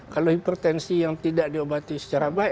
kalau hipertensi yang tidak diobati secara baik